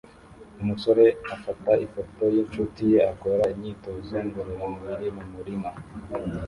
Umusore afata ifoto yinshuti ye akora imyitozo ngororamubiri mu murima